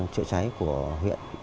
chữa cháy của huyện